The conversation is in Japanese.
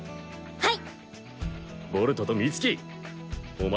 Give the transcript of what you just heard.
はい。